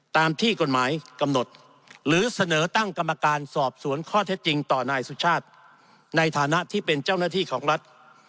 ตามที่กฎหมายกำหนดหรือเสนอตั้งกรรมการสอบสวนข้อเท็จจริงต่อนายสุชาติในฐานะที่เป็นเจ้าหน้าที่ของรัฐ